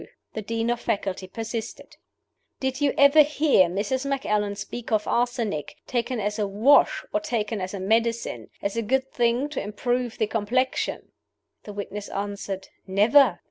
The Dean of Faculty persisted: "Did you ever hear Mrs. Macallan speak of arsenic, taken as a wash or taken as a medicine, as a good thing to improve the complexion?" The witness answered, "Never."